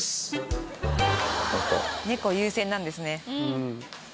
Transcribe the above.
ネコ優先なんですね。